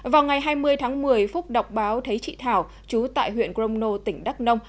vào ngày hai mươi tháng một mươi phúc đọc báo thấy chị thảo chú tại huyện gromno tỉnh đắk nông